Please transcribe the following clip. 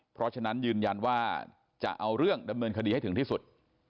เพราะฉะนั้นยืนยันว่าจะเอาเรื่องดำเนินคดีให้ถึงที่สุด